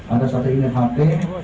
ada satu unit hp